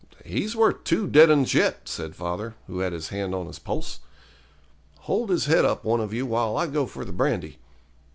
'He's worth two dead 'uns yet,' said father, who had his hand on his pulse. 'Hold his head up one of you while I go for the brandy.